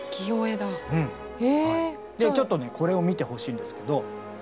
ちょっとねこれを見てほしいんですけど。